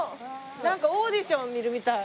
なんかオーディション見るみたい。